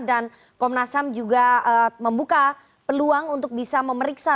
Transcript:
dan komnasam juga membuka peluang untuk bisa memeriksa